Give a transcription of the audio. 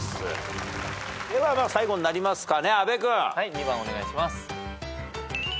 ２番お願いします。